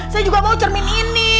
saya juga mau cermin ini